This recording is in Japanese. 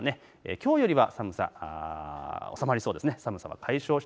きょうよりは寒さ、収まりそうです。